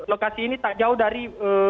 lokasi ini tak jauh dari